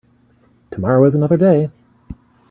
Tomorrow is another day.